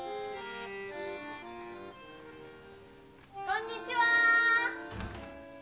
・こんにちは。